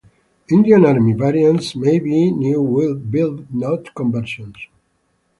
Indian Army variants may be new-build, not conversions.